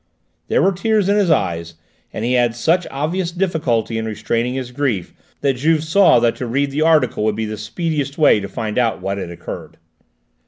_" There were tears in his eyes, and he had such obvious difficulty in restraining his grief, that Juve saw that to read the article would be the speediest way to find out what had occurred.